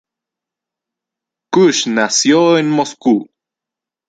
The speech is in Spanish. Kush nació en Moscú.